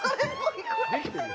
できてる。